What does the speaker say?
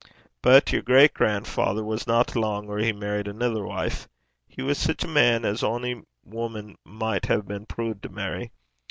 But yer great grandfather wasna lang or he merried anither wife. He was sic a man as ony woman micht hae been prood to merry.